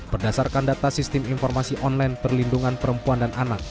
berdasarkan data sistem informasi online perlindungan perempuan dan anak